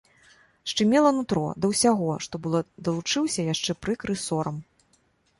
Шчымела нутро, да ўсяго, што было, далучыўся яшчэ прыкры сорам.